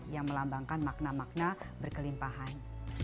yang melambangkan makna makna berkelimpahan